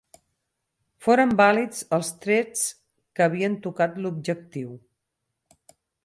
Foren vàlids els trets que havien tocat l'objectiu.